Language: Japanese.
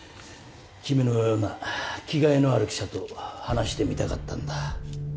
君のような気概のある記者と話してみたかったんだ。